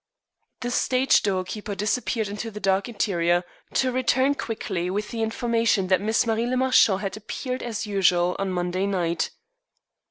The stage doorkeeper disappeared into the dark interior, to return quickly with the information that Miss le Marchant had appeared as usual on Monday night.